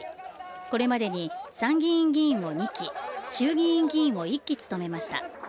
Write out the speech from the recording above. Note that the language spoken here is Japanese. これまでに参議院議員を２期、衆議院議員を１期務めました。